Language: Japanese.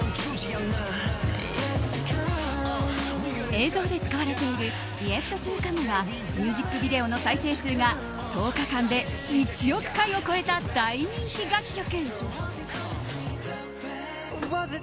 映像で使われている「ＹｅｔＴｏＣｏｍｅ」はミュージックビデオの再生数が１０日間で１億回を超えた大人気楽曲。